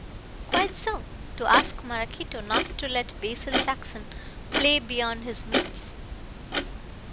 "Quite so to ask Maraquito not to let Basil Saxon play beyond his means.